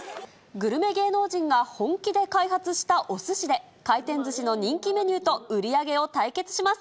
グルメ芸能人が本気で開発したおすしで、回転ずしの人気メニューと売り上げを対決します。